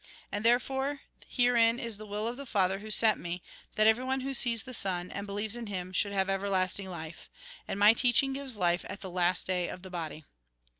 And therefore, herein is the will of the Father who sent me, that everyone who sees the Son, and believes in him, should have everlasting life. And my teaching gives life at the last day of the body."